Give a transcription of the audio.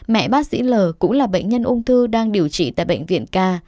mẹ bác sĩ l cũng là bệnh nhân ung thư đang điều trị tại bệnh viện ca